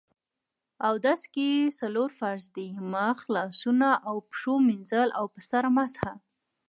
اودس کې څلور فرض دي: مخ، لاسونو او پښو مينځل او په سر مسح